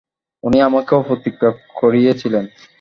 উনি আমাকেও প্রতিজ্ঞা করিয়ে ছিলেন।